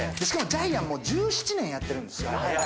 しかもジャイアンも、もう１７年やってるんですよ。